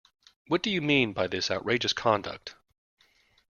What do you mean by this outrageous conduct.